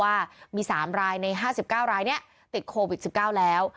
ว่ามี๓รายใน๕๙รายนี้ติดโควิด๑๙แล้ว